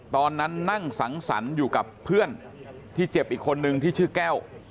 ตอนนั้นนั่งสังสรรค์อยู่กับเพื่อนที่เจ็บอีกคนนึงที่ชื่อแก้ว